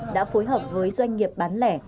đã phối hợp với doanh nghiệp bán lẻ